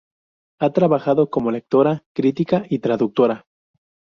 Ha trabajado como lectora, crítica y traductora.